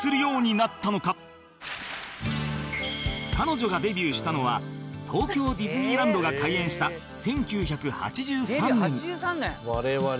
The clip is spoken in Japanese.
彼女がデビューしたのは東京ディズニーランドが開園した１９８３年